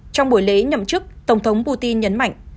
trong buổi lễ nhậm chức tổng thống putin nhấn mạnh